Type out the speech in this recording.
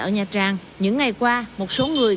ở nha trang những ngày qua một số người